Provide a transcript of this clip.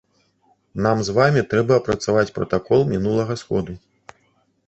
Нам з вамі трэба апрацаваць пратакол мінулага сходу.